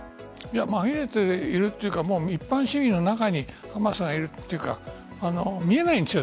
紛れているというか一般市民の中にハマスがいるというか見えないんですよ。